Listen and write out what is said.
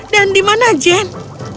dan di mana jane